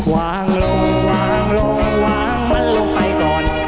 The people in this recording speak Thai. วางลงวางลงวางมันลงไปก่อน